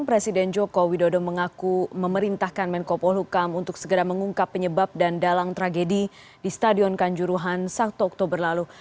presiden joko widodo mengaku memerintahkan menko polhukam untuk segera mengungkap penyebab dan dalang tragedi di stadion kanjuruhan satu oktober lalu